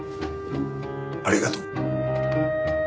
ありがとう。